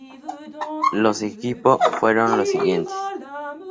Los equipo fueron los siguientes